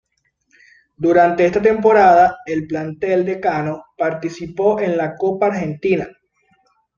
Durante esta temporada, el plantel "decano" participó en la Copa Argentina.